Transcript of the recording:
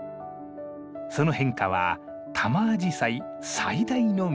その変化はタマアジサイ最大の魅力です。